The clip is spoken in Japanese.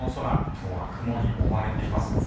今日は雲に覆われています。